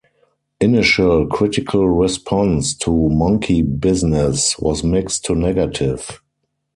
Initial critical response to "Monkey Business" was mixed to negative.